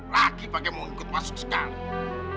laki pakai mau ikut masuk sekali